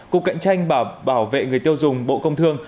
cục cạnh tranh và bảo vệ người tiêu dùng bộ công thương